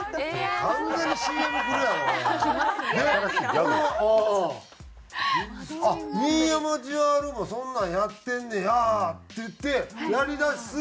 「あっ新山千春もそんなんやってんねや」って言ってやりだす